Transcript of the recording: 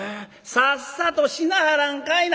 「さっさとしなはらんかいな！」。